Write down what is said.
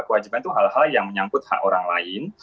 kewajiban itu hal hal yang menyangkut hak orang lain